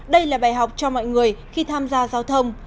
đây là bài học cho mọi người khi tham gia giao thông